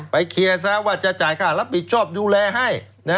เคลียร์ซะว่าจะจ่ายค่ารับผิดชอบดูแลให้